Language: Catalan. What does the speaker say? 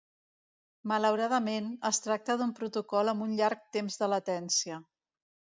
Malauradament, es tracta d'un protocol amb un llarg temps de latència.